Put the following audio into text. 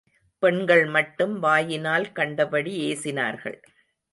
பெண்கள் மட்டும் வாயினால் கண்டபடி ஏசினார்கள்.